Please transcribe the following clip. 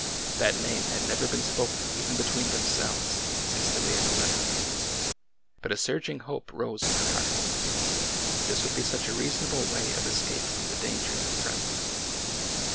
That name had never been spoken even between themselves since the day the letter came. But a surging hope rose in her heart. This would be such a reasonable way of escape from the danger that threatened them.